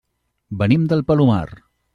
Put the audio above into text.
Venim del Palomar.